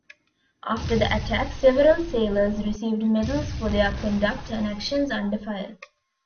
After the attack, several sailors received medals for their conduct and actions under fire.